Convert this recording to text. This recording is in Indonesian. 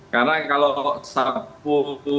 karena kalau sapu